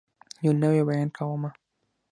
يو نوی بيان کومه